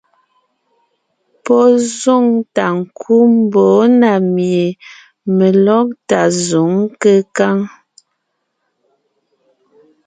Pɔ́ zoŋ tà ńkú mbɔ̌ na mie melɔ́gtà zǒŋ kékáŋ.